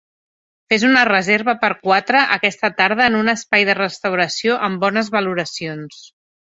Fes una reserva per a quatre aquesta tarda en un espai de restauració amb bones valoracions